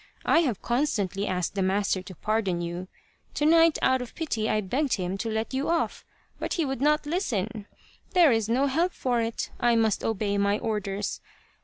I have constantly asked the master to pardon you. To night, out of pity, I begged him to let you off, but he would not listen. There is no help for it, I must obey my orders.